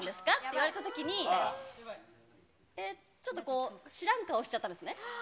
言われたときに、えっ、ちょっとこう、知らん顔しちゃったんですね。